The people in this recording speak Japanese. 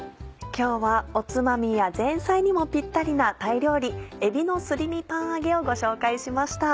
今日はおつまみや前菜にもピッタリなタイ料理「えびのすり身パン揚げ」をご紹介しました。